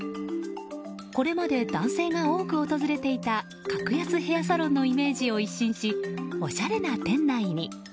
これまで男性が多く訪れていた格安ヘアサロンのイメージを一新しおしゃれな店内に。